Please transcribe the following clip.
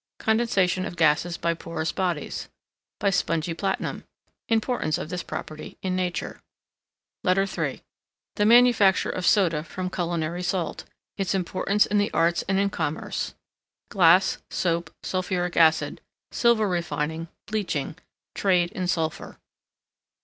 Condensation of Gases by porous bodies. By Spongy Platinum. Importance of this property in Nature. LETTER III The Manufacture of Soda from Culinary Salt; its importance in the Arts and in Commerce. Glass Soap Sulphuric Acid. Silver Refining. Bleaching. TRADE IN SULPHUR.